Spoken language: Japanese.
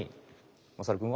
まさるくんは？